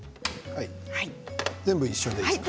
全部一緒でいいですか？